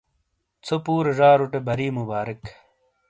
ژھو پُورے زاروٹے بری مبارک !